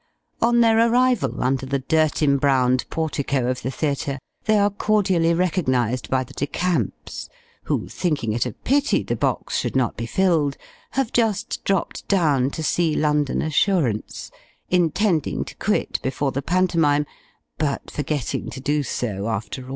On their arrival under the dirt embrowned portico of the theatre, they are cordially recognised by the De Camps; who, thinking it a pity the box should not be filled, have just dropped down to see "London Assurance" intending to quit before the pantomime, but forgetting to do so after all.